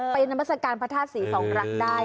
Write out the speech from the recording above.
ไปน้ำบัสการพระธาตุศรีของรักได้